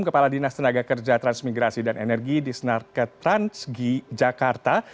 kepala dinas tenaga kerja transmigrasi dan energi di snarket transgi jakarta